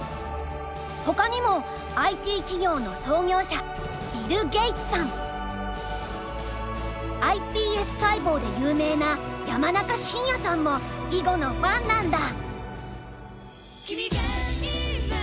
ほかにもＩＴ企業の創業者ｉＰＳ細胞で有名な山中伸弥さんも囲碁のファンなんだ。